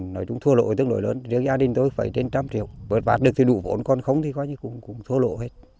nói chung thua lộ tức lỗi lớn riêng gia đình tôi phải trên trăm triệu bớt bát được thì đủ vốn còn không thì coi như cũng thua lộ hết